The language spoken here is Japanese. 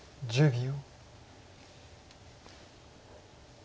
１０秒。